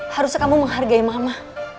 harusnya kamu menghargai mama